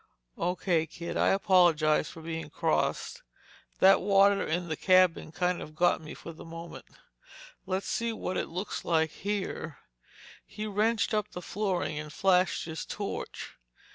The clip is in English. "O. K. kid. I apologize for being cross. That water in the cabin kind of got me for the moment. Let's see what it looks like here." He wrenched up the flooring and flashed his torch.